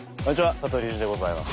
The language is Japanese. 佐藤流司でございます。